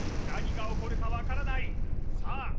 何が起こるか分からないさあ